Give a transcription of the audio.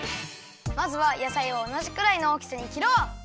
まずは野菜をおなじくらいのおおきさに切ろう！